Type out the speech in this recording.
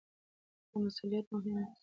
خو مسؤلیت مهم دی.